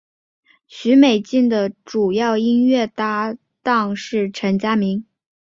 许美静的主要音乐搭档是陈佳明。